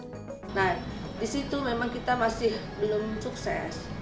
nah di situ memang kita masih belum sukses